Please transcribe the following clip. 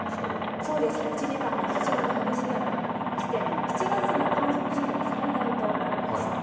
そうです、１時間に非常に激しい雨が降りまして、７月の観測史上最大となりました。